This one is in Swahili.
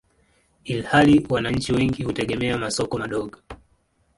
ilhali wananchi wengi hutegemea masoko madogo.